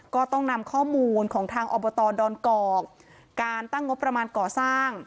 ก็ต้องนำข้อมูลของทางอบตดอนกอกการตั้งงบประมาณก่อสร้าง